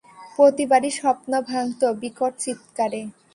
প্রতিবারই স্বপ্ন ভাঙত বিকট চিৎকারে।